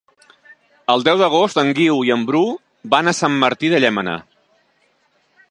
El deu d'agost en Guiu i en Bru van a Sant Martí de Llémena.